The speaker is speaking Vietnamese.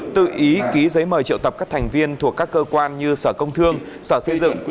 tự ý ký giấy mời triệu tập các thành viên thuộc các cơ quan như sở công thương sở xây dựng